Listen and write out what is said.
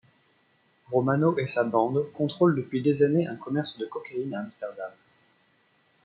Romano et sa bande contrôle depuis des années un commerce de cocaïne à Amsterdam.